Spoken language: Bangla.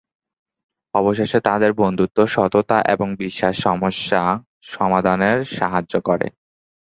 অবশেষে তাদের বন্ধুত্ব, সততা এবং বিশ্বাস সমস্যা সমাধানে সাহায্য করে।